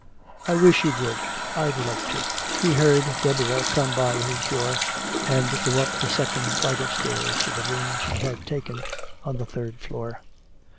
"I wish you would. I'd love to." He heard Deborah come by his door and go up the second flight of stairs to the room she had taken on the third floor.